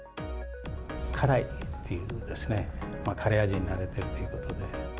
辛いっていうですね、カレー味に慣れてるということで。